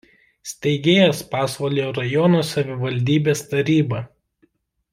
Steigėjas Pasvalio rajono savivaldybės taryba.